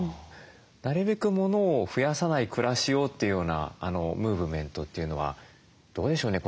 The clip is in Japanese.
なるべく物を増やさない暮らしをというようなムーブメントというのはどうでしょうね